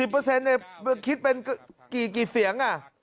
๑๐เปอร์เซ็นต์คิดเป็นกี่เสียง